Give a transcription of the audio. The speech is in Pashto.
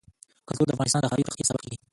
کلتور د افغانستان د ښاري پراختیا سبب کېږي.